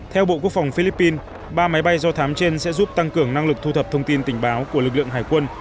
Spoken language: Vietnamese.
theo bộ quốc phòng philippines ba máy bay do thám trên sẽ giúp tăng cường năng lực thu thập thông tin tình báo của lực lượng hải quân